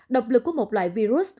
độc lực của một loại virus